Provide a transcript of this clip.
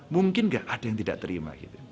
mungkin nggak ada yang tidak terima